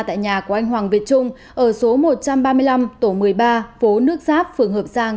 tại nhà của anh hoàng việt trung ở số một trăm ba mươi năm tổ một mươi ba phố nước giáp phường hợp giang